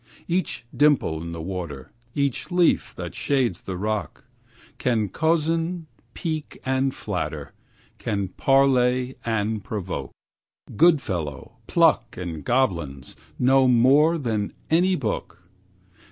Each dimple in the water, Each leaf that shades the rock Can cozen, pique and flatter, Can parley and provoke. Goodfellow, Puck and goblins, Know more than any book.